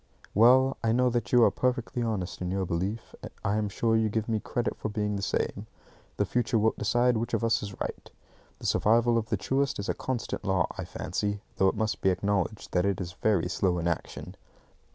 Well, I know that you are perfectly honest in your belief. I am sure you give me credit for being the same. The future wilt decide which of us is right. The survival of the truest is a constant law, I fancy, though it must be acknowledged that it is very slow in action.